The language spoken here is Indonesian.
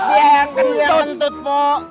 dia yang ketiga mentut pok